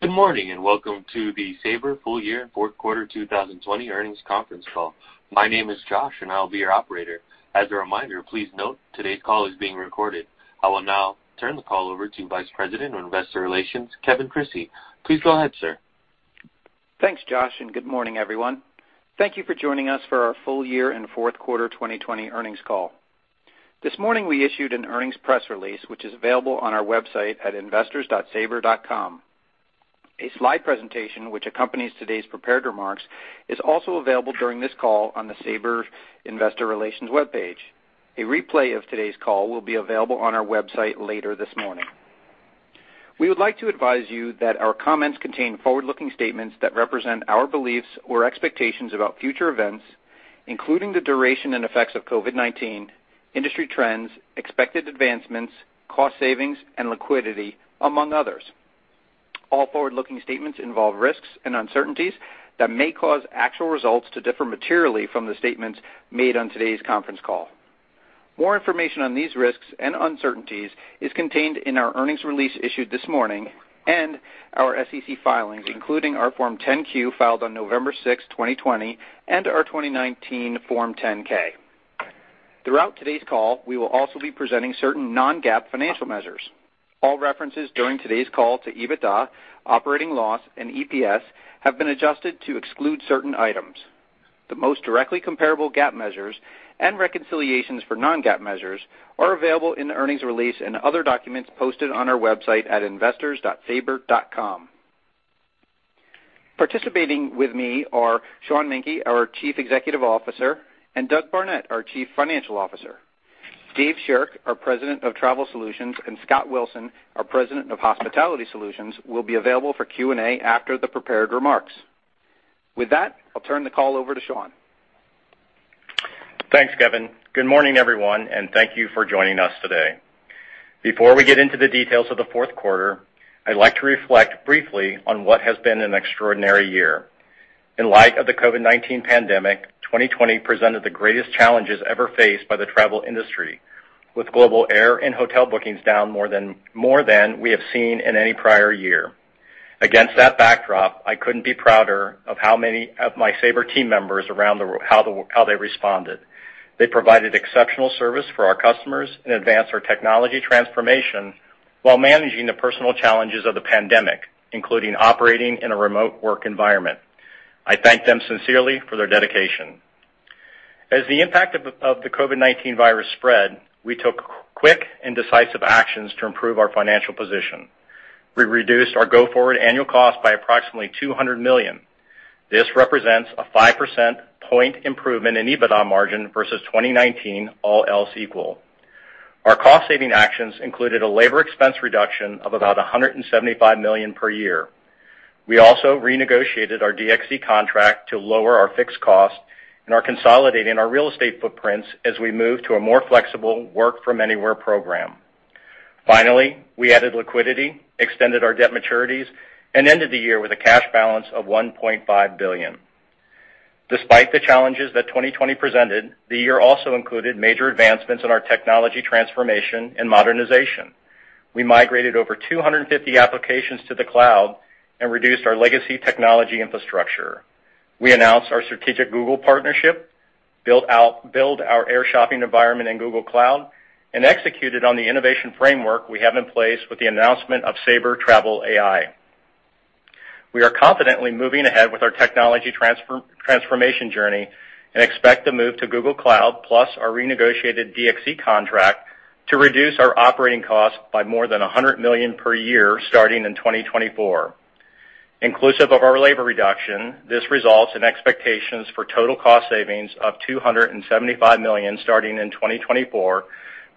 Good morning, welcome to the Sabre full year and fourth quarter 2020 earnings conference call. My name is Josh, and I will be your operator. As a reminder, please note, today's call is being recorded. I will now turn the call over to Vice President of Investor Relations, Kevin Crissey. Please go ahead, sir. Thanks, Josh. Good morning, everyone. Thank you for joining us for our full year and fourth quarter 2020 earnings call. This morning, we issued an earnings press release, which is available on our website at investors.sabre.com. A slide presentation, which accompanies today's prepared remarks, is also available during this call on the Sabre Investor Relations webpage. A replay of today's call will be available on our website later this morning. We would like to advise you that our comments contain forward-looking statements that represent our beliefs or expectations about future events, including the duration and effects of COVID-19, industry trends, expected advancements, cost savings, and liquidity, among others. All forward-looking statements involve risks and uncertainties that may cause actual results to differ materially from the statements made on today's conference call. More information on these risks and uncertainties is contained in our earnings release issued this morning and our SEC filings, including our Form 10-Q filed on November 6th, 2020, and our 2019 Form 10-K. Throughout today's call, we will also be presenting certain non-GAAP financial measures. All references during today's call to EBITDA, operating loss, and EPS have been adjusted to exclude certain items. The most directly comparable GAAP measures and reconciliations for non-GAAP measures are available in the earnings release and other documents posted on our website at investors.sabre.com. Participating with me are Sean Menke, our Chief Executive Officer, and Doug Barnett, our Chief Financial Officer. Dave Shirk, our President of Travel Solutions, and Scott Wilson, our President of Hospitality Solutions, will be available for Q&A after the prepared remarks. With that, I'll turn the call over to Sean. Thanks, Kevin. Good morning, everyone, and thank you for joining us today. Before we get into the details of the fourth quarter, I'd like to reflect briefly on what has been an extraordinary year. In light of the COVID-19 pandemic, 2020 presented the greatest challenges ever faced by the travel industry, with global air and hotel bookings down more than we have seen in any prior year. Against that backdrop, I couldn't be prouder of how many of my Sabre team members around the world, how they responded. They provided exceptional service for our customers and advanced our technology transformation while managing the personal challenges of the pandemic, including operating in a remote work environment. I thank them sincerely for their dedication. As the impact of the COVID-19 virus spread, we took quick and decisive actions to improve our financial position. We reduced our go-forward annual cost by approximately $200 million. This represents a 5% point improvement in EBITDA margin versus 2019, all else equal. Our cost-saving actions included a labor expense reduction of about $175 million per year. We also renegotiated our DXC contract to lower our fixed cost and are consolidating our real estate footprints as we move to a more flexible Work from Anywhere program. Finally, we added liquidity, extended our debt maturities, and ended the year with a cash balance of $1.5 billion. Despite the challenges that 2020 presented, the year also included major advancements in our technology transformation and modernization. We migrated over 250 applications to the cloud and reduced our legacy technology infrastructure. We announced our strategic Google partnership, build our air shopping environment in Google Cloud, and executed on the innovation framework we have in place with the announcement of Sabre Travel AI. We are confidently moving ahead with our technology transformation journey and expect to move to Google Cloud, plus our renegotiated DXC contract, to reduce our operating cost by more than $100 million per year starting in 2024. Inclusive of our labor reduction, this results in expectations for total cost savings of $275 million starting in 2024,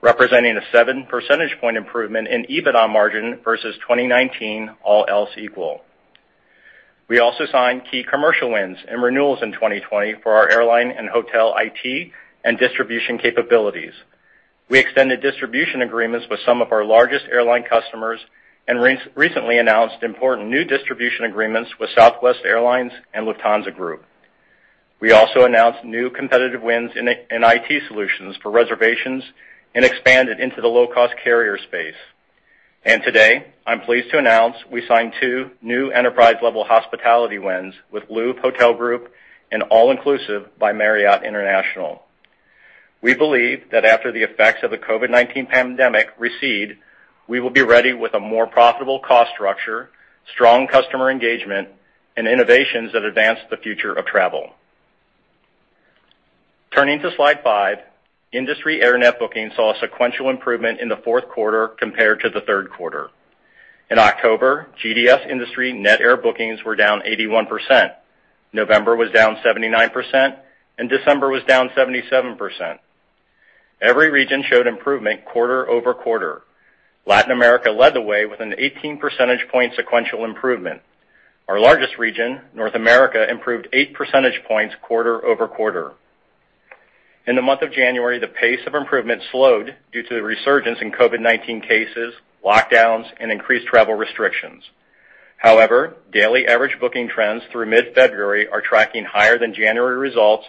representing a 7 percentage point improvement in EBITDA margin versus 2019, all else equal. We also signed key commercial wins and renewals in 2020 for our airline and hotel IT and distribution capabilities. We extended distribution agreements with some of our largest airline customers and recently announced important new distribution agreements with Southwest Airlines and Lufthansa Group. We also announced new competitive wins in IT solutions for reservations and expanded into the low-cost carrier space. Today, I'm pleased to announce we signed two new enterprise-level hospitality wins with Louvre Hotels Group and All-Inclusive by Marriott International. We believe that after the effects of the COVID-19 pandemic recede, we will be ready with a more profitable cost structure, strong customer engagement, and innovations that advance the future of travel. Turning to slide five, industry air net bookings saw a sequential improvement in the fourth quarter compared to the third quarter. In October, GDS industry net air bookings were down 81%, November was down 79%, and December was down 77%. Every region showed improvement quarter-over-quarter. Latin America led the way with an 18 percentage point sequential improvement. Our largest region, North America, improved 8 percentage points quarter-over-quarter. In the month of January, the pace of improvement slowed due to the resurgence in COVID-19 cases, lockdowns, and increased travel restrictions. However, daily average booking trends through mid-February are tracking higher than January results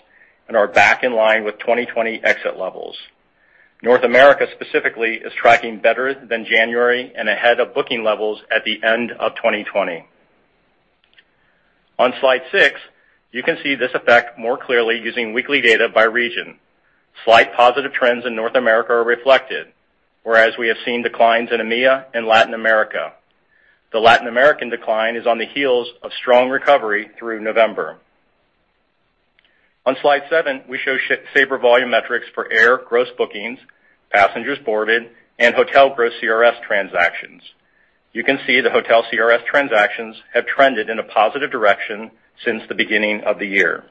and are back in line with 2020 exit levels. North America specifically is tracking better than January and ahead of booking levels at the end of 2020. On slide six, you can see this effect more clearly using weekly data by region. Slight positive trends in North America are reflected, whereas we have seen declines in EMEA and Latin America. The Latin American decline is on the heels of strong recovery through November. On slide seven, we show Sabre volume metrics for air gross bookings, passengers boarded, and hotel gross CRS transactions. You can see the hotel CRS transactions have trended in a positive direction since the beginning of the year.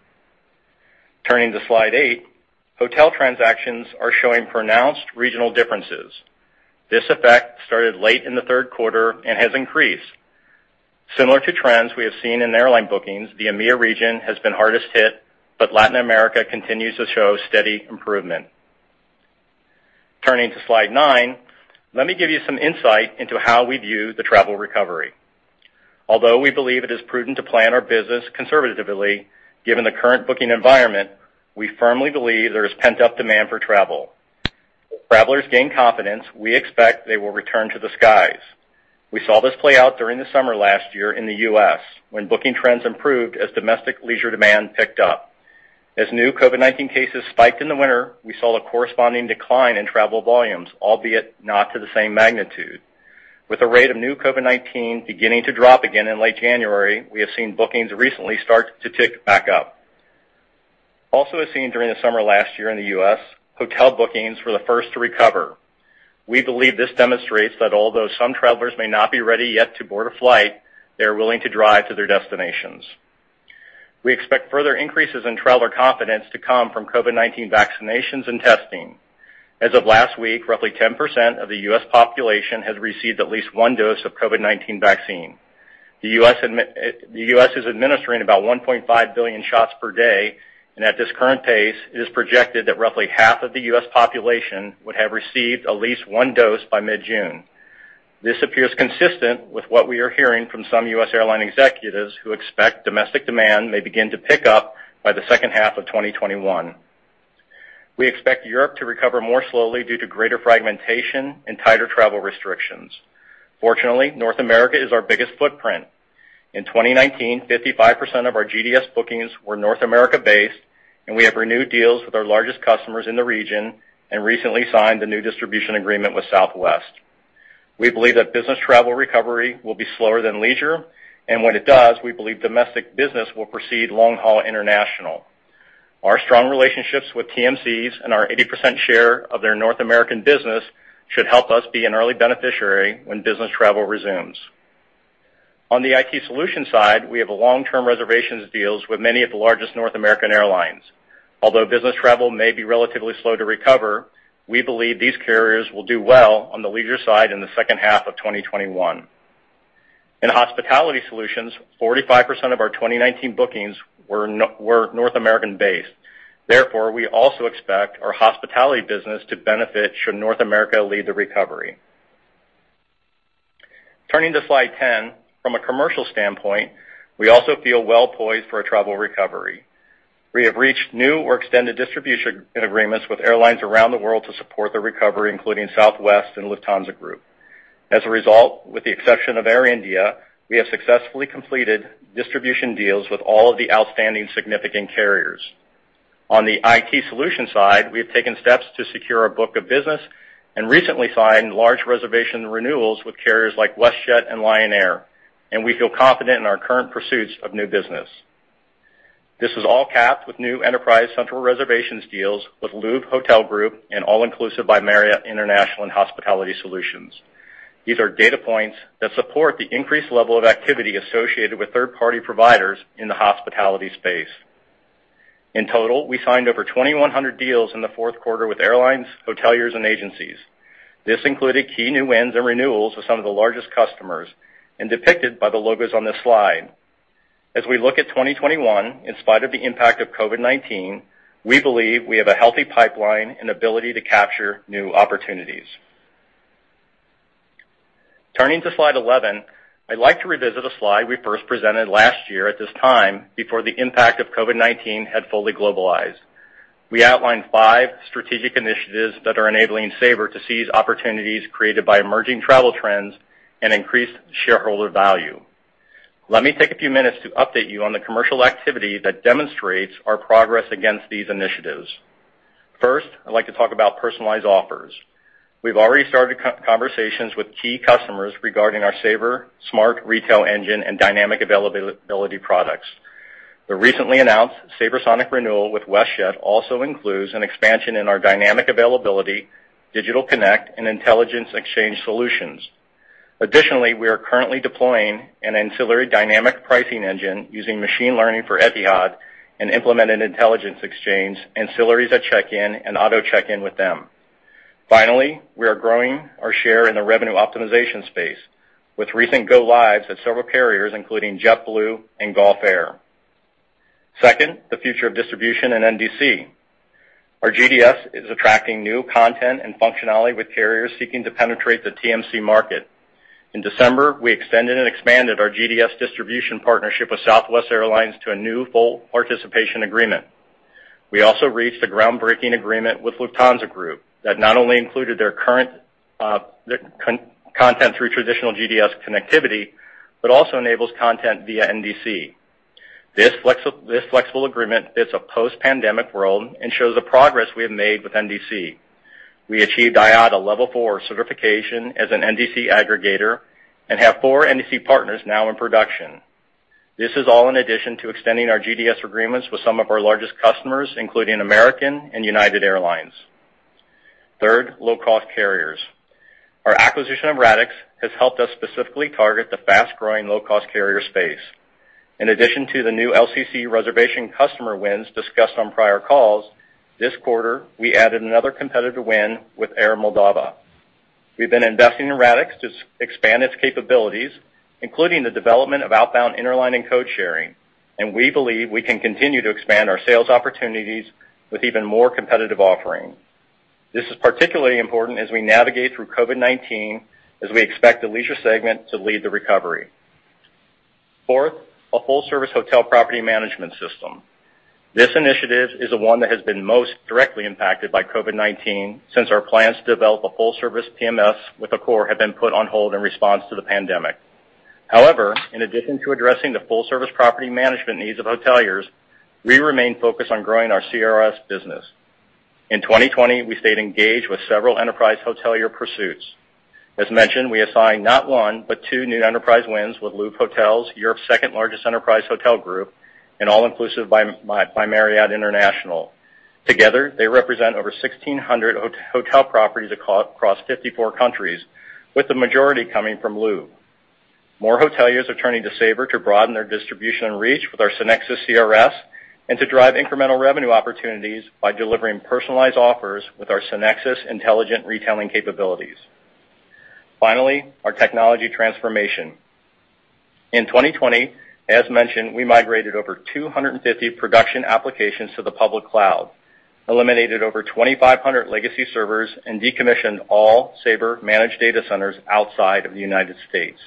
Turning to slide eight, hotel transactions are showing pronounced regional differences. This effect started late in the third quarter and has increased. Similar to trends we have seen in airline bookings, the EMEA region has been hardest hit, but Latin America continues to show steady improvement. Turning to slide nine, let me give you some insight into how we view the travel recovery. Although we believe it is prudent to plan our business conservatively, given the current booking environment, we firmly believe there is pent-up demand for travel. As travelers gain confidence, we expect they will return to the skies. We saw this play out during the summer last year in the U.S. when booking trends improved as domestic leisure demand picked up. As new COVID-19 cases spiked in the winter, we saw a corresponding decline in travel volumes, albeit not to the same magnitude. With the rate of new COVID-19 beginning to drop again in late January, we have seen bookings recently start to tick back up. Also as seen during the summer last year in the U.S., hotel bookings were the first to recover. We believe this demonstrates that although some travelers may not be ready yet to board a flight, they are willing to drive to their destinations. We expect further increases in traveler confidence to come from COVID-19 vaccinations and testing. As of last week, roughly 10% of the U.S. population has received at least one dose of COVID-19 vaccine. The U.S. is administering about 1.5 billion shots per day, and at this current pace, it is projected that roughly half of the U.S. population would have received at least one dose by mid-June. This appears consistent with what we are hearing from some U.S. airline executives who expect domestic demand may begin to pick up by the second half of 2021. We expect Europe to recover more slowly due to greater fragmentation and tighter travel restrictions. Fortunately, North America is our biggest footprint. In 2019, 55% of our GDS bookings were North America-based, and we have renewed deals with our largest customers in the region and recently signed a new distribution agreement with Southwest. We believe that business travel recovery will be slower than leisure, and when it does, we believe domestic business will precede long-haul international. Our strong relationships with TMCs and our 80% share of their North American business should help us be an early beneficiary when business travel resumes. On the IT solution side, we have long-term reservations deals with many of the largest North American airlines. Although business travel may be relatively slow to recover, we believe these carriers will do well on the leisure side in the second half of 2021. In Hospitality Solutions, 45% of our 2019 bookings were North American-based. Therefore, we also expect our hospitality business to benefit should North America lead the recovery. Turning to slide 10. From a commercial standpoint, we also feel well-poised for a travel recovery. We have reached new or extended distribution agreements with airlines around the world to support the recovery, including Southwest and Lufthansa Group. As a result, with the exception of Air India, we have successfully completed distribution deals with all of the outstanding significant carriers. On the IT solution side, we have taken steps to secure our book of business and recently signed large reservation renewals with carriers like WestJet and Lion Air, and we feel confident in our current pursuits of new business. This is all capped with new enterprise central reservations deals with Louvre Hotels Group and All-Inclusive by Marriott International and Hospitality Solutions. These are data points that support the increased level of activity associated with third-party providers in the hospitality space. In total, we signed over 2,100 deals in the fourth quarter with airlines, hoteliers, and agencies. This included key new wins and renewals with some of the largest customers and depicted by the logos on this slide. As we look at 2021, in spite of the impact of COVID-19, we believe we have a healthy pipeline and ability to capture new opportunities. Turning to slide 11, I'd like to revisit a slide we first presented last year at this time before the impact of COVID-19 had fully globalized. We outlined five strategic initiatives that are enabling Sabre to seize opportunities created by emerging travel trends and increase shareholder value. Let me take a few minutes to update you on the commercial activity that demonstrates our progress against these initiatives. First, I'd like to talk about personalized offers. We've already started conversations with key customers regarding our Sabre Smart Retail Engine and Dynamic Availability products. The recently announced SabreSonic renewal with WestJet also includes an expansion in our Dynamic Availability, Digital Connect, and Intelligence Exchange solutions. Additionally, we are currently deploying an ancillary dynamic pricing engine using machine learning for Etihad and implemented Intelligence Exchange ancillaries at check-in and auto check-in with them. Finally, we are growing our share in the revenue optimization space with recent go lives at several carriers, including JetBlue and Gulf Air. Second, the future of distribution and NDC. Our GDS is attracting new content and functionality with carriers seeking to penetrate the TMC market. In December, we extended and expanded our GDS distribution partnership with Southwest Airlines to a new full participation agreement. We also reached a groundbreaking agreement with Lufthansa Group that not only included their content through traditional GDS connectivity, but also enables content via NDC. This flexible agreement fits a post-pandemic world and shows the progress we have made with NDC. We achieved IATA Level 4 certification as an NDC aggregator and have four NDC partners now in production. This is all in addition to extending our GDS agreements with some of our largest customers, including American and United Airlines. Third, low-cost carriers. Our acquisition of Radixx has helped us specifically target the fast-growing low-cost carrier space. In addition to the new LCC reservation customer wins discussed on prior calls, this quarter, we added another competitive win with Air Moldova. We've been investing in Radixx to expand its capabilities, including the development of outbound interline and code sharing, and we believe we can continue to expand our sales opportunities with even more competitive offerings. This is particularly important as we navigate through COVID-19, as we expect the leisure segment to lead the recovery. Fourth, a full-service hotel property management system. This initiative is the one that has been most directly impacted by COVID-19, since our plans to develop a full-service PMS with Accor have been put on hold in response to the pandemic. However, in addition to addressing the full-service property management needs of hoteliers, we remain focused on growing our CRS business. In 2020, we stayed engaged with several enterprise hotelier pursuits. As mentioned, we assigned not one, but two new enterprise wins with Louvre Hotels, Europe's second-largest enterprise hotel group, and All-Inclusive by Marriott International. Together, they represent over 1,600 hotel properties across 54 countries, with the majority coming from Louvre. More hoteliers are turning to Sabre to broaden their distribution and reach with our SynXis CRS and to drive incremental revenue opportunities by delivering personalized offers with our SynXis intelligent retailing capabilities. Finally, our technology transformation. In 2020, as mentioned, we migrated over 250 production applications to the public cloud, eliminated over 2,500 legacy servers, and decommissioned all Sabre-managed data centers outside of the United States.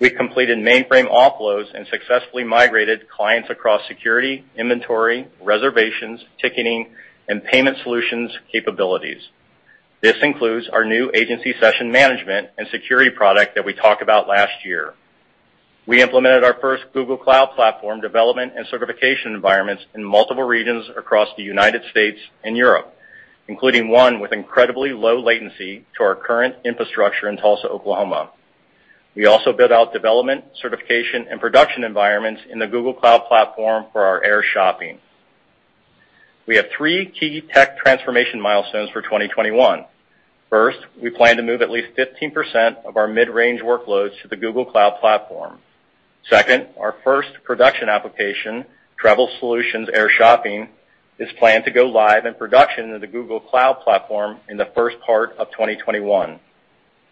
We completed mainframe offloads and successfully migrated clients across security, inventory, reservations, ticketing, and payment solutions capabilities. This includes our new agency session management and security product that we talked about last year. We implemented our first Google Cloud Platform development and certification environments in multiple regions across the United States and Europe, including one with incredibly low latency to our current infrastructure in Tulsa, Oklahoma. We also built out development, certification, and production environments in the Google Cloud Platform for our air shopping. We have three key tech transformation milestones for 2021. First, we plan to move at least 15% of our mid-range workloads to the Google Cloud Platform. Second, our first production application, Travel Solutions Air Shopping, is planned to go live in production in the Google Cloud Platform in the first part of 2021.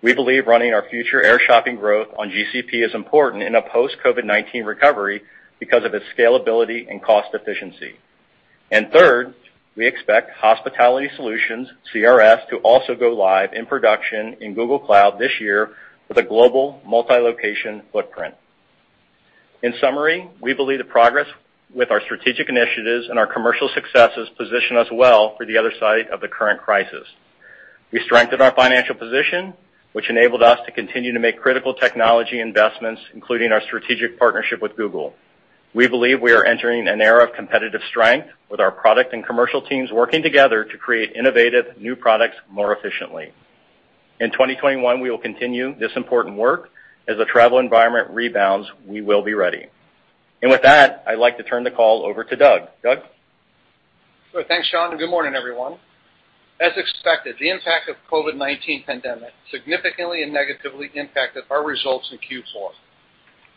We believe running our future air shopping growth on GCP is important in a post-COVID-19 recovery because of its scalability and cost efficiency. Third, we expect Hospitality Solutions CRS to also go live in production in Google Cloud this year with a global multi-location footprint. In summary, we believe the progress with our strategic initiatives and our commercial successes position us well for the other side of the current crisis. We strengthened our financial position, which enabled us to continue to make critical technology investments, including our strategic partnership with Google. We believe we are entering an era of competitive strength with our product and commercial teams working together to create innovative new products more efficiently. In 2021, we will continue this important work. As the travel environment rebounds, we will be ready. With that, I'd like to turn the call over to Doug. Doug? Sure. Thanks, Sean, and good morning, everyone. As expected, the impact of COVID-19 pandemic significantly and negatively impacted our results in Q4.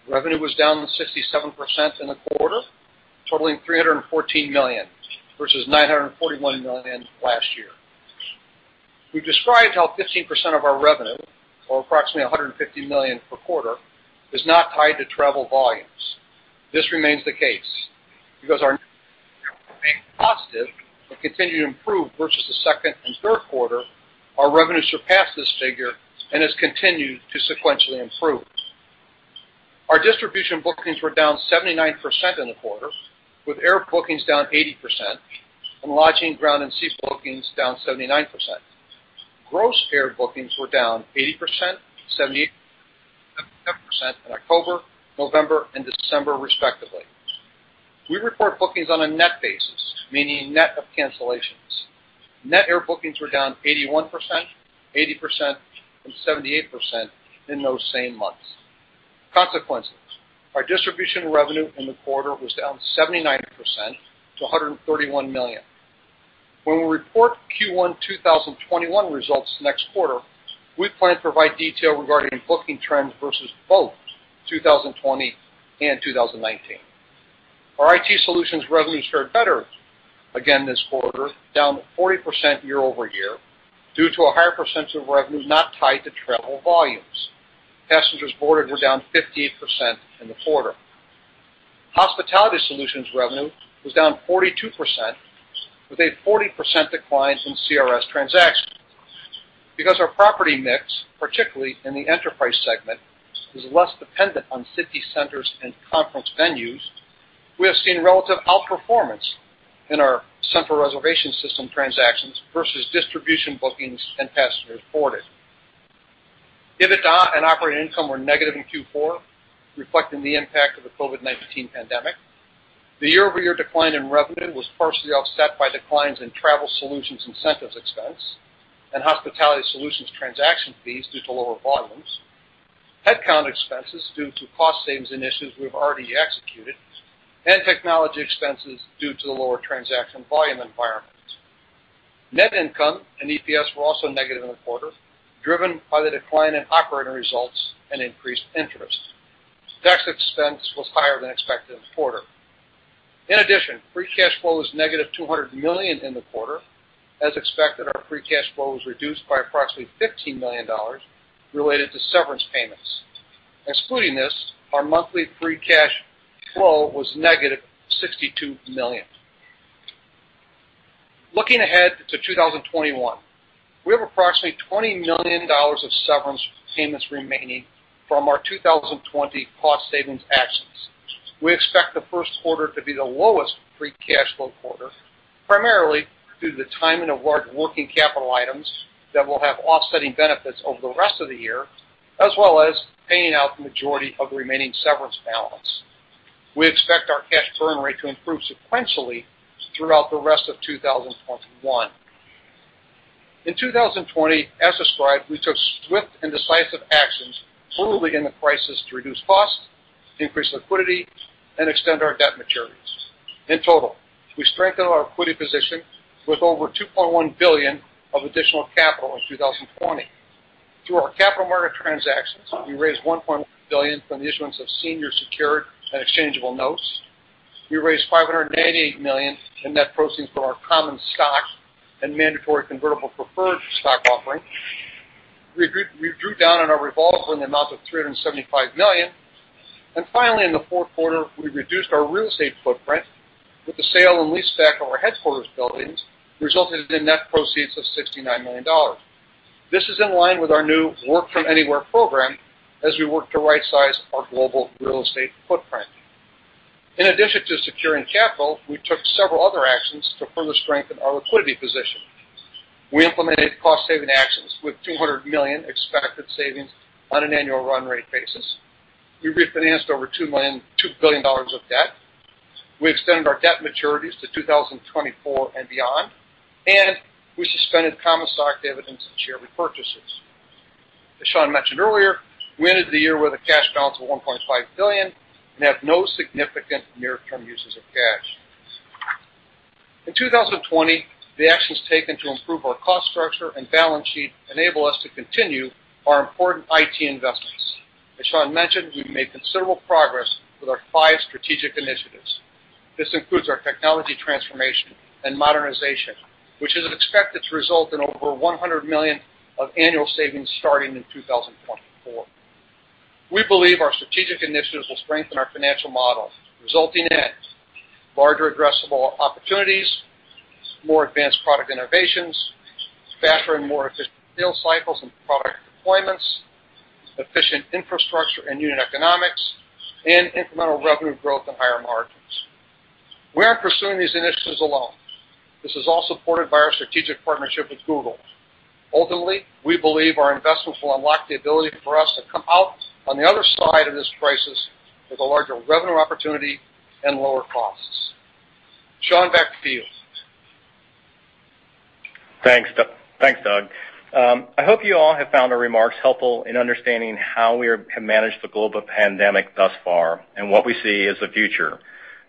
Revenue was down 67% in the quarter, totaling $314 million versus $941 million last year. We've described how 15% of our revenue, or approximately $150 million per quarter, is not tied to travel volumes. This remains the case because our- positive and continued to improve versus the second and third quarter, our revenue surpassed this figure and has continued to sequentially improve. Our distribution bookings were down 79% in the quarter, with air bookings down 80% and lodging, ground, and sea bookings down 79%. Gross air bookings were down 80%, 78%, and 77% in October, November, and December respectively. We report bookings on a net basis, meaning net of cancellations. Net air bookings were down 81%, 80%, and 78% in those same months. Consequences, our distribution revenue in the quarter was down 79% to $131 million. When we report Q1 2021 results next quarter, we plan to provide detail regarding booking trends versus both 2020 and 2019. Our IT Solutions revenues fared better again this quarter, down 40% year-over-year, due to a higher percentage of revenue not tied to travel volumes. Passengers boarded were down 58% in the quarter. Hospitality Solutions revenue was down 42%, with a 40% decline in CRS transactions. Because our property mix, particularly in the enterprise segment, is less dependent on city centers and conference venues, we have seen relative outperformance in our central reservation system transactions versus distribution bookings and passengers boarded. EBITDA and operating income were negative in Q4, reflecting the impact of the COVID-19 pandemic. The year-over-year decline in revenue was partially offset by declines in Travel Solutions incentive expense and Hospitality Solutions transaction fees due to lower volumes, headcount expenses due to cost savings initiatives we've already executed, and technology expenses due to the lower transaction volume environments. Net income and EPS were also negative in the quarter, driven by the decline in operating results and increased interest. Tax expense was higher than expected in the quarter. In addition, free cash flow was -$200 million in the quarter. As expected, our free cash flow was reduced by approximately $15 million related to severance payments. Excluding this, our monthly free cash flow was -$62 million. Looking ahead to 2021, we have approximately $20 million of severance payments remaining from our 2020 cost savings actions. We expect the first quarter to be the lowest free cash flow quarter, primarily due to the timing of large working capital items that will have offsetting benefits over the rest of the year, as well as paying out the majority of the remaining severance balance. We expect our cash burn rate to improve sequentially throughout the rest of 2021. In 2020, as described, we took swift and decisive actions early in the crisis to reduce costs, increase liquidity, and extend our debt maturities. In total, we strengthened our liquidity position with over $2.1 billion of additional capital in 2020. Through our capital market transactions, we raised $1.5 billion from the issuance of senior secured and exchangeable notes. We raised $588 million in net proceeds from our common stock and mandatory convertible preferred stock offering. We drew down on our revolver in the amount of $375 million. Finally, in the fourth quarter, we reduced our real estate footprint with the sale and leaseback of our headquarters buildings, resulting in net proceeds of $69 million. This is in line with our new Work from Anywhere program as we work to right size our global real estate footprint. In addition to securing capital, we took several other actions to further strengthen our liquidity position. We implemented cost-saving actions with $200 million expected savings on an annual run rate basis. We refinanced over $2 billion of debt. We extended our debt maturities to 2024 and beyond, and we suspended common stock dividends and share repurchases. As Sean mentioned earlier, we ended the year with a cash balance of $1.5 billion and have no significant near-term uses of cash. In 2020, the actions taken to improve our cost structure and balance sheet enable us to continue our important IT investments. As Sean mentioned, we've made considerable progress with our five strategic initiatives. This includes our technology transformation and modernization, which is expected to result in over $100 million of annual savings starting in 2024. We believe our strategic initiatives will strengthen our financial model, resulting in larger addressable opportunities, more advanced product innovations, faster and more efficient deal cycles and product deployments, efficient infrastructure and unit economics, and incremental revenue growth and higher margins. We aren't pursuing these initiatives alone. This is all supported by our strategic partnership with Google. Ultimately, we believe our investments will unlock the ability for us to come out on the other side of this crisis with a larger revenue opportunity and lower costs. Sean, back to you. Thanks, Doug. I hope you all have found our remarks helpful in understanding how we have managed the global pandemic thus far and what we see as the future.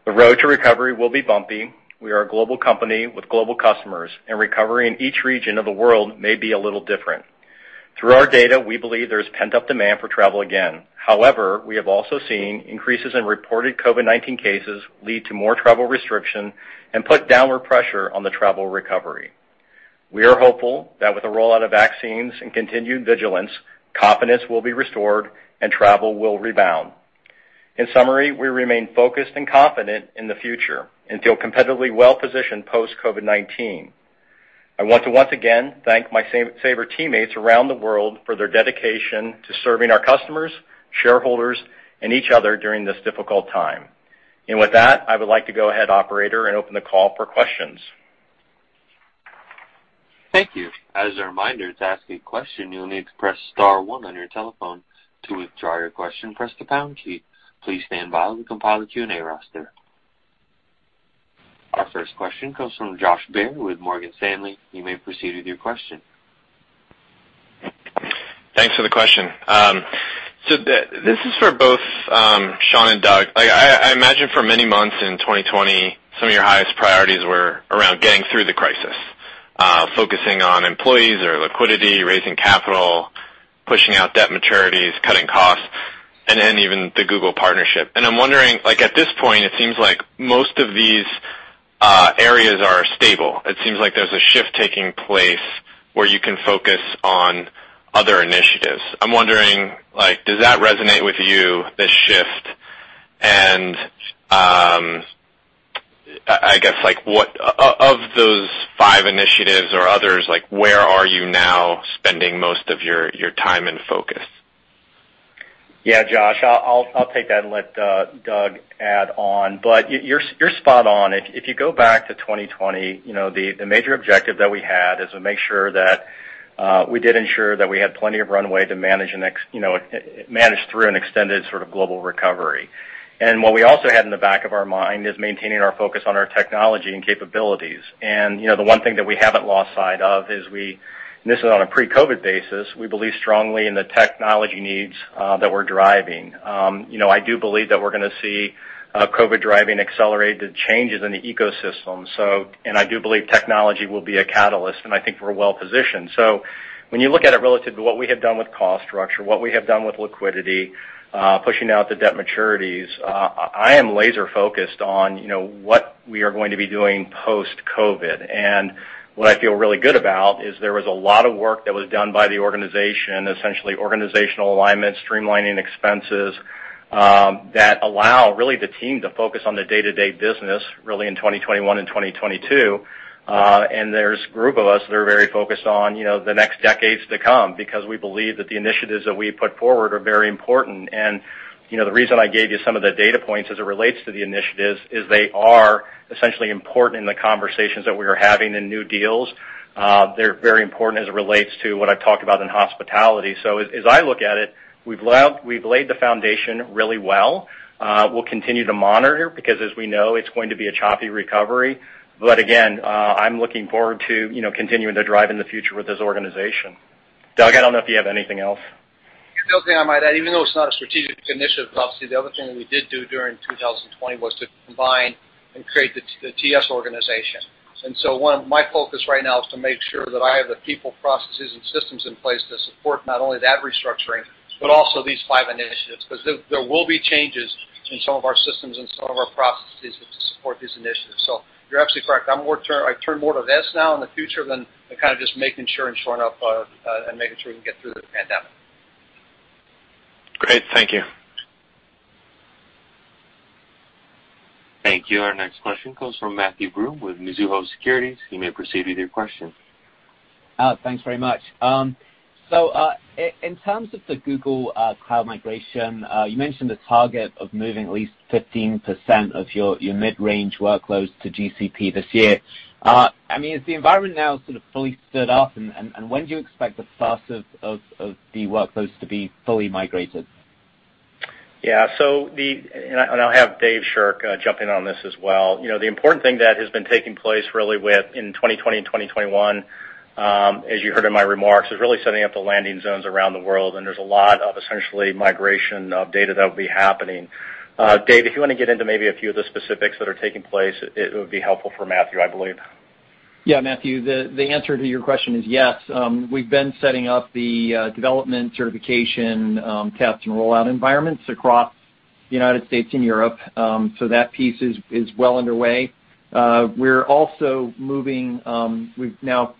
The road to recovery will be bumpy. We are a global company with global customers, and recovery in each region of the world may be a little different. Through our data, we believe there is pent-up demand for travel again. However, we have also seen increases in reported COVID-19 cases lead to more travel restriction and put downward pressure on the travel recovery. We are hopeful that with the rollout of vaccines and continued vigilance, confidence will be restored, and travel will rebound. In summary, we remain focused and confident in the future and feel competitively well-positioned post-COVID-19. I want to once again thank my Sabre teammates around the world for their dedication to serving our customers, shareholders, and each other during this difficult time. With that, I would like to go ahead operator and open the call for questions. Thank you. As a reminder, to ask a question, you'll need to press star one on your telephone. To withdraw your question, press the pound key. Please stand by while we compile the Q&A roster. Our first question comes from Josh Baer with Morgan Stanley. You may proceed with your question. Thanks for the question. This is for both Sean and Doug. I imagine for many months in 2020, some of your highest priorities were around getting through the crisis, focusing on employees or liquidity, raising capital, pushing out debt maturities, cutting costs, and then even the Google partnership. I'm wondering, at this point, it seems like most of these areas are stable. It seems like there's a shift taking place where you can focus on other initiatives. I'm wondering, does that resonate with you, this shift? I guess, of those five initiatives or others, where are you now spending most of your time and focus? Yeah, Josh, I'll take that and let Doug add on. You're spot on. If you go back to 2020, the major objective that we had is to make sure that we did ensure that we had plenty of runway to manage through an extended sort of global recovery. What we also had in the back of our mind is maintaining our focus on our technology and capabilities. The one thing that we haven't lost sight of is we, and this is on a pre-COVID-19 basis, we believe strongly in the technology needs that we're driving. I do believe that we're going to see COVID-19 driving accelerated changes in the ecosystem. I do believe technology will be a catalyst, and I think we're well-positioned. When you look at it relative to what we have done with cost structure, what we have done with liquidity, pushing out the debt maturities, I am laser-focused on what we are going to be doing post-COVID. What I feel really good about is there was a lot of work that was done by the organization, essentially organizational alignment, streamlining expenses, that allow really the team to focus on the day-to-day business really in 2021 and 2022. There's a group of us that are very focused on the next decades to come because we believe that the initiatives that we put forward are very important. The reason I gave you some of the data points as it relates to the initiatives is they are essentially important in the conversations that we are having in new deals. They're very important as it relates to what I've talked about in hospitality. As I look at it, we've laid the foundation really well. We'll continue to monitor because as we know, it's going to be a choppy recovery. Again, I'm looking forward to continuing to drive in the future with this organization. Doug, I don't know if you have anything else. The only thing I might add, even though it's not a strategic initiative, obviously, the other thing that we did do during 2020 was to combine and create the TS organization. My focus right now is to make sure that I have the people, processes, and systems in place to support not only that restructuring, but also these five initiatives. There will be changes in some of our systems and some of our processes to support these initiatives. You're absolutely correct. I turn more to this now in the future than kind of just making sure and shoring up and making sure we can get through the pandemic. Great. Thank you. Thank you. Our next question comes from Matthew Broome with Mizuho Securities. You may proceed with your question. Thanks very much. In terms of the Google Cloud migration, you mentioned the target of moving at least 15% of your mid-range workloads to GCP this year. Has the environment now sort of fully stood up, and when do you expect the source of the workloads to be fully migrated? Yeah. I'll have Dave Shirk jump in on this as well. The important thing that has been taking place really in 2020 and 2021, as you heard in my remarks, is really setting up the landing zones around the world, and there's a lot of essentially migration of data that will be happening. Dave, if you want to get into maybe a few of the specifics that are taking place, it would be helpful for Matthew, I believe. Matthew, the answer to your question is yes. We've been setting up the development certification, tests, and rollout environments across the U.S. and Europe. That piece is well underway. We've now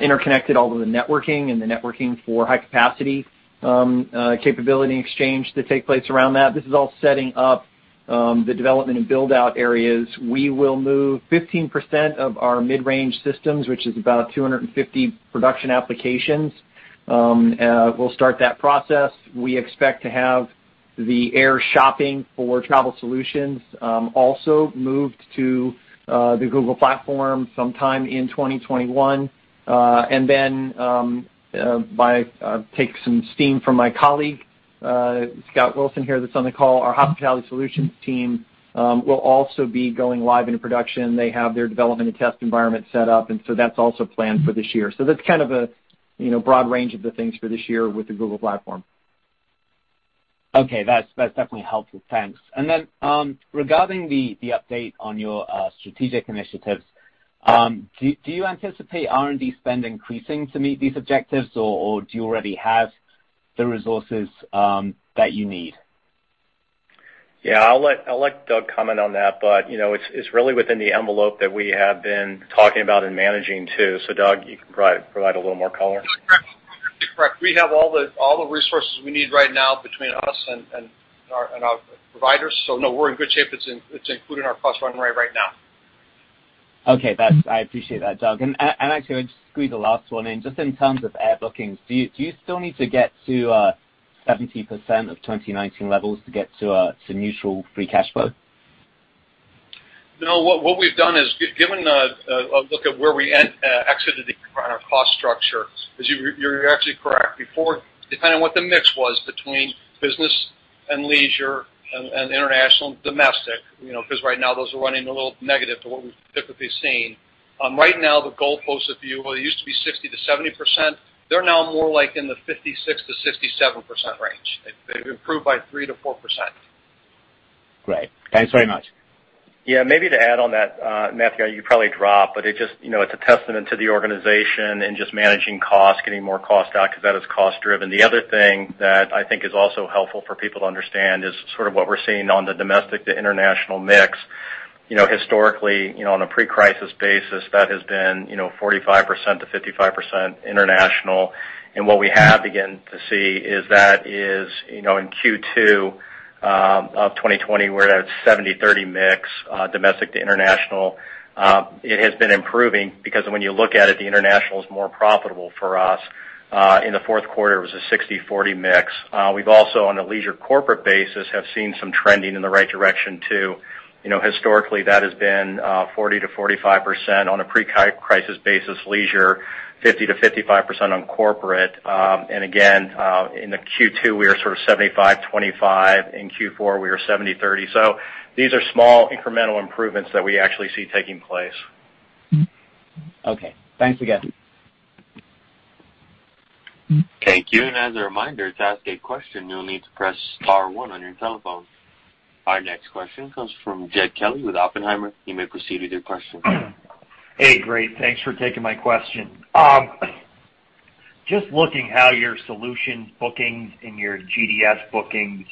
interconnected all of the networking and the networking for high-capacity capability exchange to take place around that. This is all setting up the development and build-out areas. We will move 15% of our mid-range systems, which is about 250 production applications. We'll start that process. We expect to have the air shopping for Travel Solutions also moved to the Google platform sometime in 2021. Then, take some steam from my colleague, Scott Wilson here that's on the call. Our Hospitality Solutions team will also be going live into production. They have their development and test environment set up. That's also planned for this year. That's kind of a broad range of the things for this year with the Google platform. Okay. That's definitely helpful. Thanks. Then, regarding the update on your strategic initiatives, do you anticipate R&D spend increasing to meet these objectives, or do you already have the resources that you need? Yeah, I'll let Doug comment on that. It's really within the envelope that we have been talking about and managing, too. Doug, you can provide a little more color. Correct. We have all the resources we need right now between us and our providers. No, we're in good shape. It's included in our cost runway right now. Okay. I appreciate that, Doug. Actually, I'll just squeeze the last one in. Just in terms of air bookings, do you still need to get to 70% of 2019 levels to get to neutral free cash flow? No, what we've done is given a look at where we exited on our cost structure, because you're actually correct. Before, depending on what the mix was between business and leisure and international and domestic, because right now those are running a little negative to what we've typically seen. Right now, the goalpost view, well, it used to be 60%-70%. They're now more like in the 56%-67% range. They've improved by 3%-4%. Great. Thanks very much. Yeah, maybe to add on that, Matthew, you probably dropped, but it's a testament to the organization and just managing costs, getting more cost out because that is cost-driven. The other thing that I think is also helpful for people to understand is sort of what we're seeing on the domestic to international mix. Historically, on a pre-crisis basis, that has been 45%-55% international. What we have begun to see is that in Q2 of 2020, we're at a 70/30 mix domestic to international. It has been improving because when you look at it, the international is more profitable for us. In the fourth quarter, it was a 60/40 mix. We've also, on a leisure corporate basis, have seen some trending in the right direction too. Historically, that has been 40%-45% on a pre-crisis basis, leisure 50%-55% on corporate. Again, in the Q2, we are sort of 75/25. In Q4, we are 70/30. These are small incremental improvements that we actually see taking place. Okay. Thanks again. Thank you. As a reminder, to ask a question, you'll need to press star one on your telephone. Our next question comes from Jed Kelly with Oppenheimer. You may proceed with your question. Hey, great. Thanks for taking my question. Just looking how your solutions bookings and your GDS bookings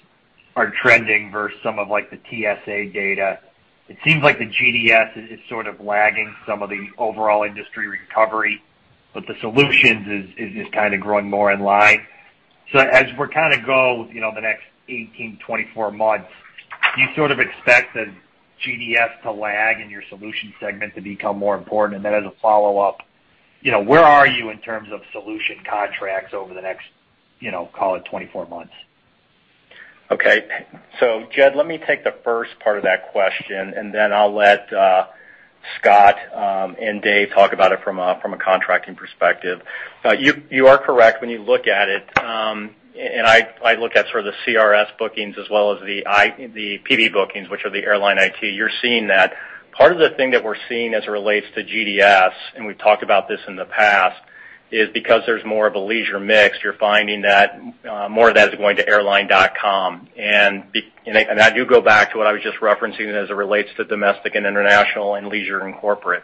are trending versus some of the TSA data. It seems like the GDS is sort of lagging some of the overall industry recovery, the solutions is kind of growing more in line. As we kind of go the next 18-24 months, do you sort of expect the GDS to lag and your solutions segment to become more important? As a follow-up, where are you in terms of solution contracts over the next, call it 24 months? Okay. Jed, let me take the first part of that question, and then I'll let Scott and Dave talk about it from a contracting perspective. You are correct when you look at it, and I look at sort of the CRS bookings as well as the PB bookings, which are the airline IT, you're seeing that. Part of the thing that we're seeing as it relates to GDS, and we've talked about this in the past, is because there's more of a leisure mix, you're finding that more of that is going to airline.com. I do go back to what I was just referencing as it relates to domestic and international and leisure and corporate.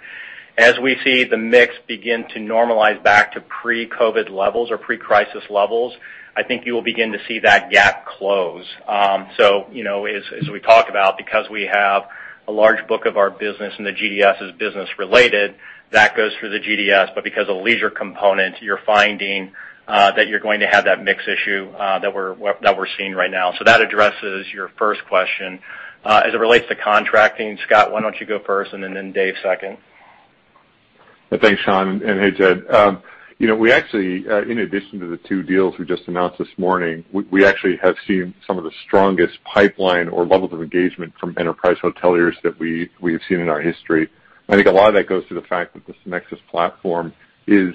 As we see the mix begin to normalize back to pre-COVID levels or pre-crisis levels, I think you will begin to see that gap close. As we talk about, because we have a large book of our business and the GDS is business related, that goes through the GDS. Because of leisure component, you're finding that you're going to have that mix issue that we're seeing right now. That addresses your first question. As it relates to contracting, Scott, why don't you go first and then Dave second. Thanks, Sean, and hey, Jed. In addition to the two deals we just announced this morning, we actually have seen some of the strongest pipeline or levels of engagement from enterprise hoteliers that we have seen in our history. I think a lot of that goes to the fact that the SynXis platform is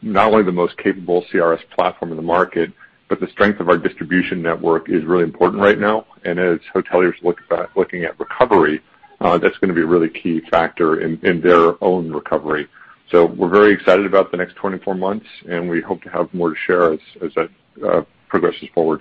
not only the most capable CRS platform in the market, but the strength of our distribution network is really important right now, and as hoteliers looking at recovery, that's going to be a really key factor in their own recovery. We're very excited about the next 24 months, and we hope to have more to share as that progresses forward.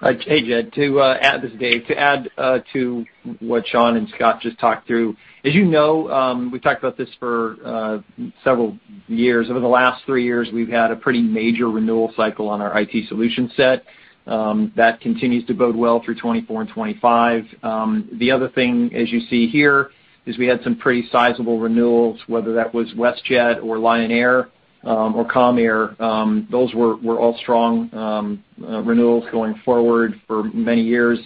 Hey, Jed. This is Dave. To add to what Sean and Scott just talked through. As you know, we've talked about this for several years. Over the last three years, we've had a pretty major renewal cycle on our IT solution set. That continues to bode well through 2024 and 2025. The other thing as you see here is we had some pretty sizable renewals, whether that was WestJet or Lion Air or Comair. Those were all strong renewals going forward for many years.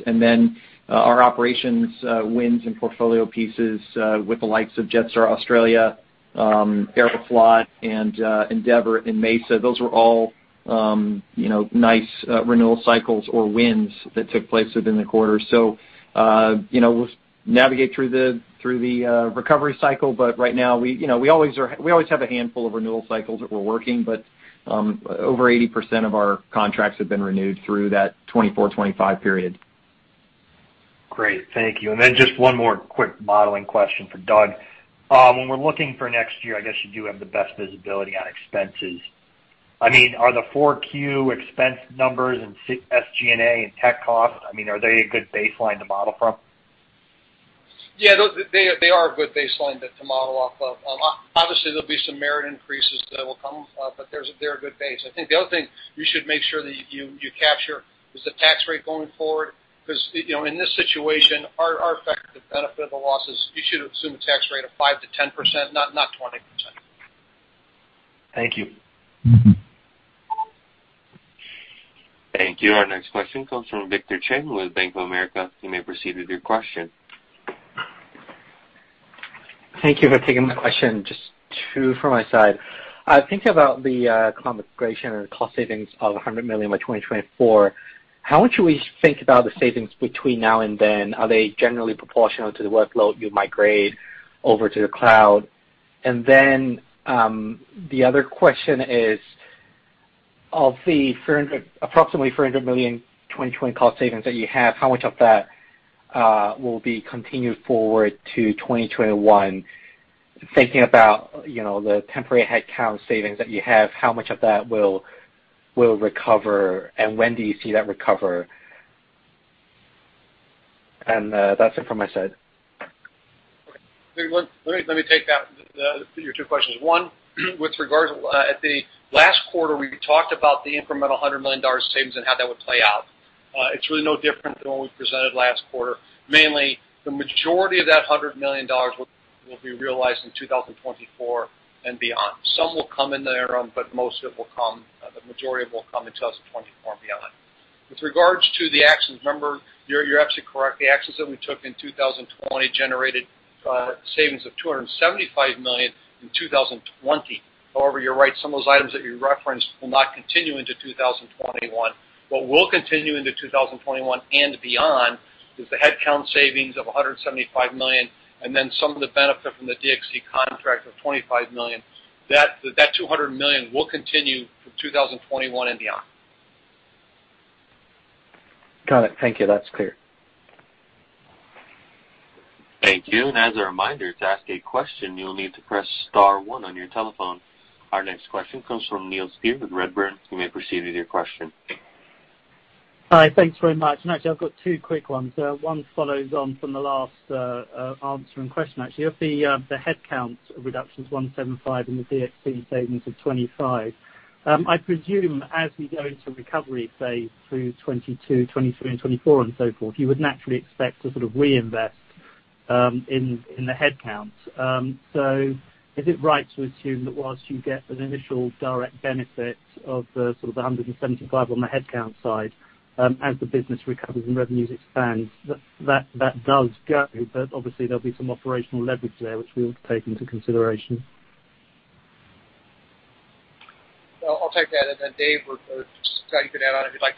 Our operations wins and portfolio pieces with the likes of Jetstar Australia, Aeroflot, and Endeavor, and Mesa. Those were all nice renewal cycles or wins that took place within the quarter. We'll navigate through the recovery cycle, but right now we always have a handful of renewal cycles that we're working, but over 80% of our contracts have been renewed through that 2024, 2025 period. Great. Thank you. Just one more quick modeling question for Doug. When we’re looking for next year, I guess you do have the best visibility on expenses. Are the 4Q expense numbers and SG&A and tech costs a good baseline to model from? Yeah, they are a good baseline to model off of. Obviously, there'll be some merit increases that will come, but they're a good base. I think the other thing you should make sure that you capture is the tax rate going forward, because in this situation, our effective benefit of the losses, you should assume a tax rate of 5%-10%, not 20%. Thank you. Thank you. Our next question comes from Victor Cheng with Bank of America. You may proceed with your question. Thank you for taking my question. Just two from my side. Thinking about the cloud migration and cost savings of $100 million by 2024, how much should we think about the savings between now and then? Are they generally proportional to the workload you migrate over to the cloud? The other question is, of the approximately $300 million 2020 cost savings that you have, how much of that will be continued forward to 2021? Thinking about the temporary headcount savings that you have, how much of that will recover, and when do you see that recover? That's it from my side. Let me take that, your two questions. One, at the last quarter, we talked about the incremental $100 million savings and how that would play out. It's really no different than what we presented last quarter. Mainly, the majority of that $100 million will be realized in 2024 and beyond. Some will come in there, the majority of it will come in 2024 and beyond. With regards to the actions, remember, you're absolutely correct. The actions that we took in 2020 generated savings of $275 million in 2020. You're right, some of those items that you referenced will not continue into 2021. What will continue into 2021 and beyond is the headcount savings of $175 million, some of the benefit from the DXC contract of $25 million. That $200 million will continue from 2021 and beyond. Got it. Thank you. That's clear. Thank you. As a reminder, to ask a question, you'll need to press star one on your telephone. Our next question comes from Neil Steer with Redburn. You may proceed with your question. Hi. Thanks very much. Actually, I've got two quick ones. One follows on from the last answer and question, actually. Of the headcount reductions, $175 million and the DXC savings of $25 million, I presume as we go into recovery phase through 2022, 2023, and 2024 and so forth, you would naturally expect to sort of reinvest in the headcount. Is it right to assume that whilst you get an initial direct benefit of the $175 million on the headcount side, as the business recovers and revenues expand, that does go, but obviously there'll be some operational leverage there which we ought to take into consideration? I'll take that and then Dave or Scott, you can add on if you'd like.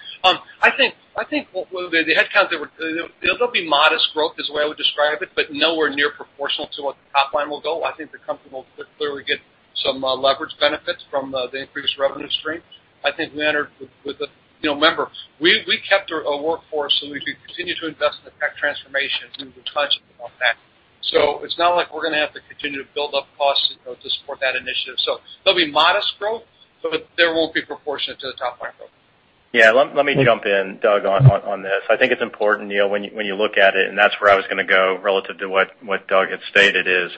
I think the headcounts, there'll be modest growth is the way I would describe it, but nowhere near proportional to what the top line will go. I think the company will clearly get some leverage benefits from the increased revenue stream. Remember, we kept a workforce so we could continue to invest in the tech transformation, and we were conscious about that. It's not like we're going to have to continue to build up costs to support that initiative. There'll be modest growth, but there won't be proportion to the top line growth. Yeah, let me jump in, Doug, on this. I think it's important, Neil, when you look at it, and that's where I was going to go relative to what Doug had stated is,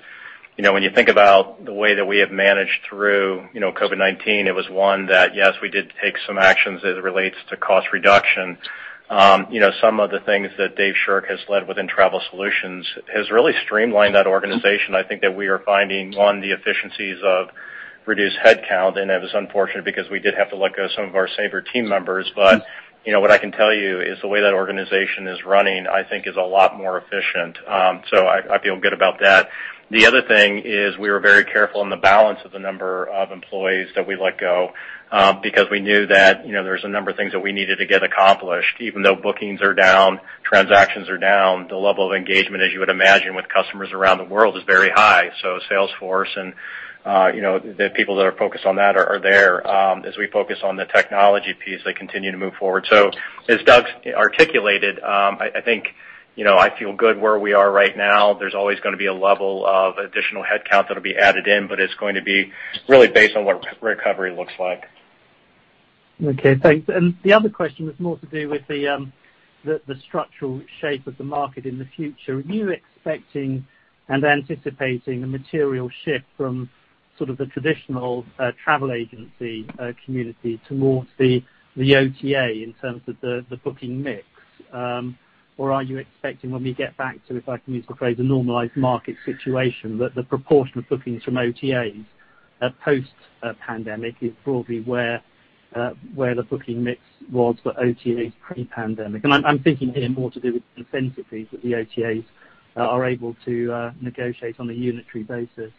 when you think about the way that we have managed through COVID-19, it was one that, yes, we did take some actions as it relates to cost reduction. Some of the things that Dave Shirk has led within Travel Solutions has really streamlined that organization. I think that we are finding, one, the efficiencies of reduced headcount, and it was unfortunate because we did have to let go of some of our Sabre team members. What I can tell you is the way that organization is running, I think, is a lot more efficient. I feel good about that. The other thing is we were very careful in the balance of the number of employees that we let go, because we knew that there's a number of things that we needed to get accomplished. Even though bookings are down, transactions are down, the level of engagement, as you would imagine, with customers around the world is very high. Sales force and the people that are focused on that are there. As we focus on the technology piece, they continue to move forward. As Doug's articulated, I think I feel good where we are right now. There's always going to be a level of additional headcount that'll be added in, but it's going to be really based on what recovery looks like. Okay, thanks. The other question was more to do with the structural shape of the market in the future. Are you expecting and anticipating a material shift from sort of the traditional travel agency community towards the OTA in terms of the booking mix? Or are you expecting when we get back to, if I can use the phrase, a normalized market situation, that the proportion of bookings from OTAs post-pandemic is broadly where the booking mix was for OTAs pre-pandemic? I'm thinking here more to do with the incentive fees that the OTAs are able to negotiate on a unitary basis.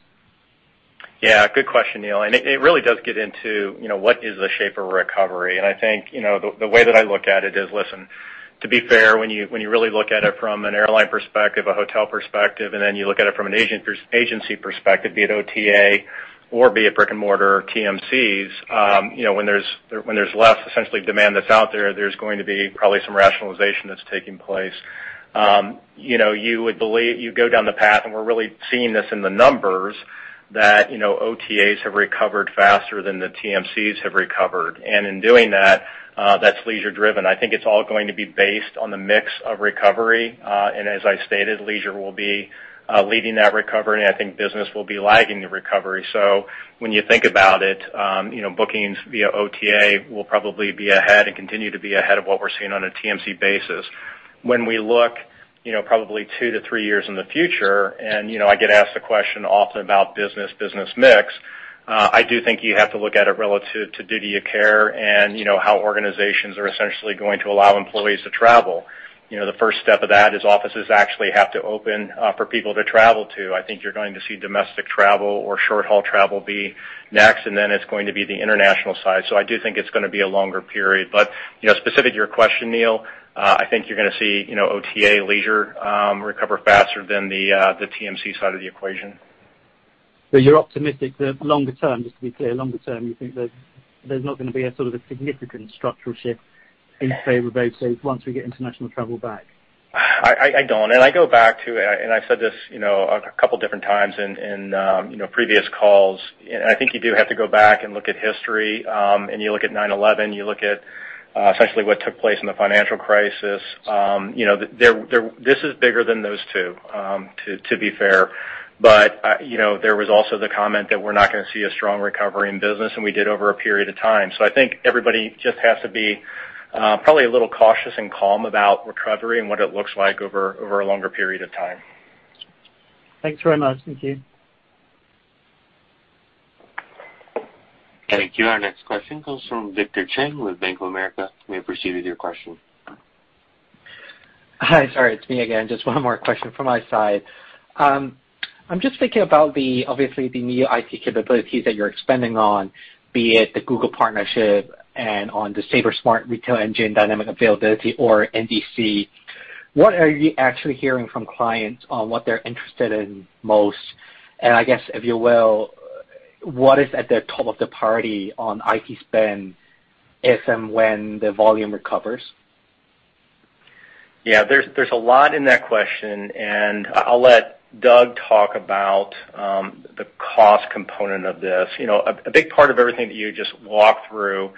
Yeah, good question, Neil. It really does get into what is the shape of recovery? I think the way that I look at it is, listen, to be fair, when you really look at it from an airline perspective, a hotel perspective, and then you look at it from an agency perspective, be it OTA or be it brick-and-mortar TMCs, when there's less essentially demand that's out there's going to be probably some rationalization that's taking place. You go down the path, and we're really seeing this in the numbers, that OTAs have recovered faster than the TMCs have recovered. In doing that's leisure-driven. I think it's all going to be based on the mix of recovery, and as I stated, leisure will be leading that recovery, and I think business will be lagging the recovery. When you think about it, bookings via OTA will probably be ahead and continue to be ahead of what we're seeing on a TMC basis. When we look probably two to three years in the future, and I get asked the question often about business mix, I do think you have to look at it relative to duty of care and how organizations are essentially going to allow employees to travel. The first step of that is offices actually have to open for people to travel to. I think you're going to see domestic travel or short-haul travel be next, and then it's going to be the international side. I do think it's going to be a longer period. Specific to your question, Neil, I think you're going to see OTA leisure recover faster than the TMC side of the equation. You're optimistic that longer term, just to be clear, longer term, you think that there's not going to be a sort of a significant structural shift in favor of OTAs once we get international travel back? I don't. I go back to, and I've said this a couple different times in previous calls, and I think you do have to go back and look at history, and you look at 9/11, you look at Essentially what took place in the financial crisis. This is bigger than those two, to be fair. There was also the comment that we're not going to see a strong recovery in business, and we did over a period of time. I think everybody just has to be probably a little cautious and calm about recovery and what it looks like over a longer period of time. Thanks very much. Thank you. Thank you. Our next question comes from Victor Cheng with Bank of America. You may proceed with your question. Hi. Sorry, it's me again. Just one more question from my side. I'm just thinking about the, obviously, the new IT capabilities that you're expanding on, be it the Google partnership and on the Sabre Smart Retail Engine Dynamic Availability or NDC. What are you actually hearing from clients on what they're interested in most? I guess, if you will, what is at the top of the priority on IT spend, if and when the volume recovers? Yeah, there's a lot in that question. I'll let Doug talk about the cost component of this. A big part of everything that you just walked through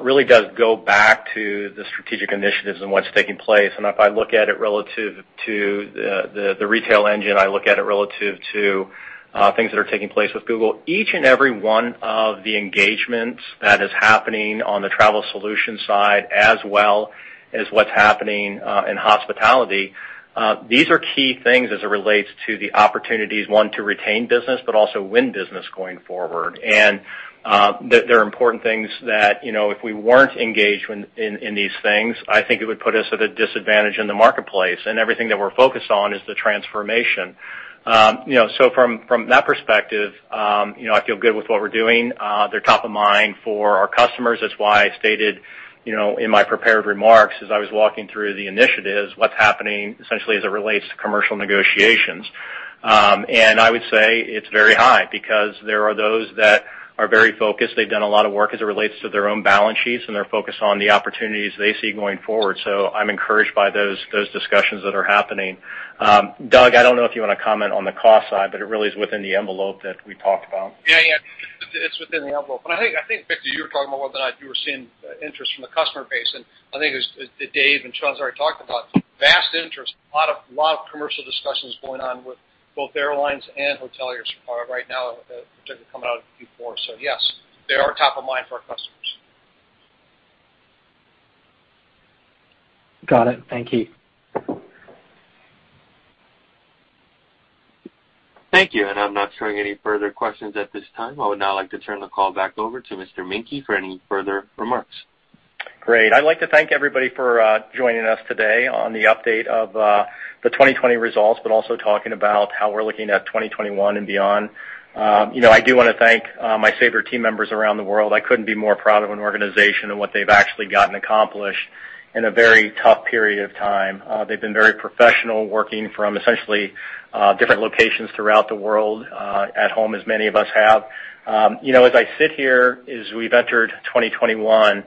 really does go back to the strategic initiatives and what's taking place. If I look at it relative to the Retail Engine, I look at it relative to things that are taking place with Google. Each and every one of the engagements that is happening on the Travel Solutions side, as well as what's happening in hospitality, these are key things as it relates to the opportunities, one, to retain business, but also win business going forward. They're important things that, if we weren't engaged in these things, I think it would put us at a disadvantage in the marketplace. Everything that we're focused on is the transformation. From that perspective, I feel good with what we're doing. They're top of mind for our customers. That's why I stated in my prepared remarks, as I was walking through the initiatives, what's happening essentially as it relates to commercial negotiations. I would say it's very high because there are those that are very focused. They've done a lot of work as it relates to their own balance sheets, and they're focused on the opportunities they see going forward. I'm encouraged by those discussions that are happening. Doug, I don't know if you want to comment on the cost side, but it really is within the envelope that we talked about. Yeah. It's within the envelope. I think, Victor, you were talking about that you were seeing interest from the customer base, I think as Dave and Sean's already talked about, vast interest, a lot of commercial discussions going on with both airlines and hoteliers right now that didn't come out before. Yes, they are top of mind for our customers. Got it. Thank you. Thank you. I'm not showing any further questions at this time. I would now like to turn the call back over to Mr. Menke for any further remarks. Great. I'd like to thank everybody for joining us today on the update of the 2020 results, but also talking about how we're looking at 2021 and beyond. I do want to thank my Sabre team members around the world. I couldn't be more proud of an organization and what they've actually gotten accomplished in a very tough period of time. They've been very professional, working from essentially different locations throughout the world, at home, as many of us have. As I sit here, as we've entered 2021,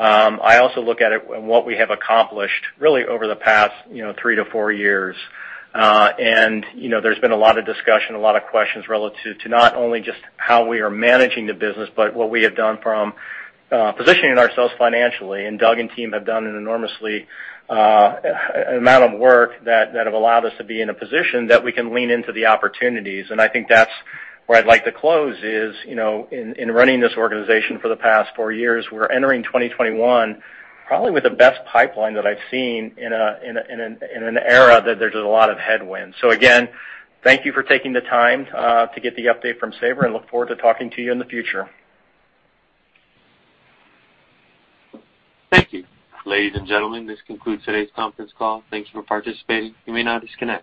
I also look at it and what we have accomplished really over the past three to four years. There's been a lot of discussion, a lot of questions relative to not only just how we are managing the business, but what we have done from positioning ourselves financially. Doug and team have done an enormous amount of work that have allowed us to be in a position that we can lean into the opportunities. I think that's where I'd like to close is, in running this organization for the past four years, we're entering 2021 probably with the best pipeline that I've seen in an era that there's a lot of headwinds. Again, thank you for taking the time to get the update from Sabre and look forward to talking to you in the future. Thank you. Ladies and gentlemen, this concludes today's conference call. Thank you for participating. You may now disconnect.